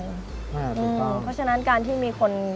เพราะฉะนั้นการที่มีคน